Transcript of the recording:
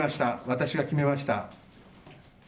私が決めました。